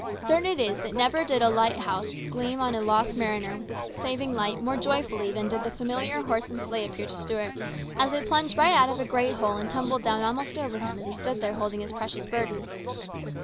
Certain it is that never did a light COMPLICATIONS. 193 house gleam on a lost mariner with its saving light more joyfully than did the familiar horse and sleigh appear to Stuart, as they plunged right out of a great hole, and tumbled down almost over him as he stood there holding his precious burden.